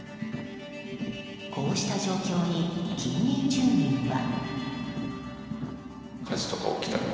こうした状況に近隣住民は。